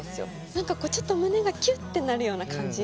何かちょっと胸がキュッてなるような感じ。